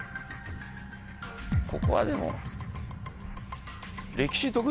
ここはでも。